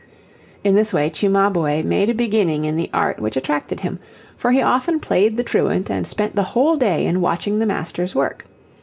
In this way Cimabue made a beginning in the art which attracted him, for he often played the truant and spent the whole day in watching the masters work.